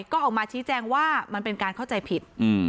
ก็ออกมาชี้แจงว่ามันเป็นการเข้าใจผิด